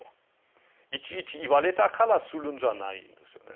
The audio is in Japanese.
いちいち言われたからするんじゃないんですよね。